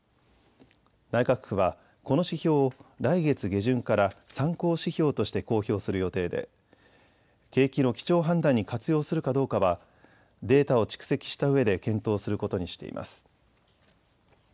内閣府はこの指標を来月下旬から参考指標として公表する予定で景気の基調判断に活用するかどうかはデータを蓄積したうえで検討することにしています。